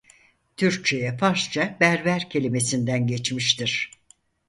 Türkçeye Farsça "berber" kelimesinden geçmiştir.